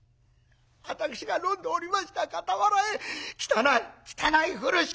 私が飲んでおりました傍らへ汚い汚い風呂敷